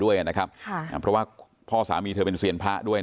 ด้วยนะครับค่ะเพราะว่าพ่อสามีเธอเป็นเซียนพระด้วย